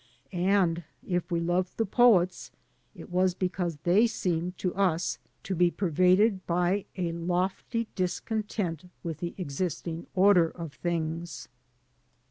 And if we loved the poets, it was because they seemed to us to be pervaded by a lofty discontent with the existing 154 THE SOUL OF THE GHETTO order of things.